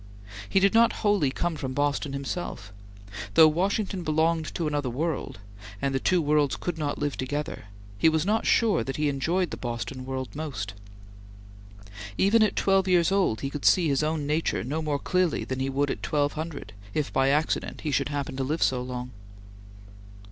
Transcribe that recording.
He did not wholly come from Boston himself. Though Washington belonged to a different world, and the two worlds could not live together, he was not sure that he enjoyed the Boston world most. Even at twelve years old he could see his own nature no more clearly than he would at twelve hundred, if by accident he should happen to live so long.